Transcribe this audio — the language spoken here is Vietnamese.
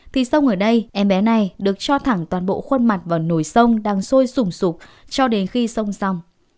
thì sông ở đây em bé này được cho thẳng toàn bộ khuôn mặt vào nổi sông đang sôi sủng sụp cho đến khi sông xong